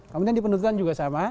kemudian di penutupan juga sama